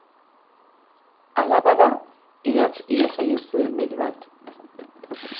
Hala bada, idatz iezaiezu email bat.